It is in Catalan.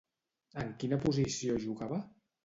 En quina posició jugava?